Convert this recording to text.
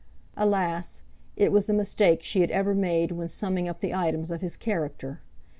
Alas! it was the mistake she had ever made when summing up the items of his character!